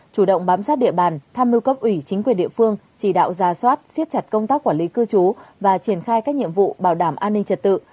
chủ động bám sát địa bàn tham mưu cấp ủy chính quyền địa phương chỉ đạo ra soát siết chặt công tác quản lý cư trú và triển khai các nhiệm vụ bảo đảm an ninh trật tự